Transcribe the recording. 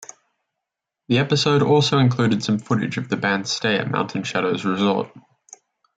The episode also included some footage of the band's stay at Mountain Shadows Resort.